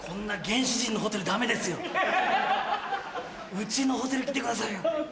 うちのホテル来てくださいよ！